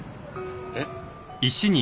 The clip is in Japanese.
えっ？